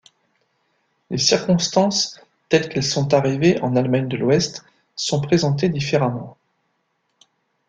Les circonstances telles qu'elles sont arrivées en Allemagne de l'Ouest sont présentées différemment.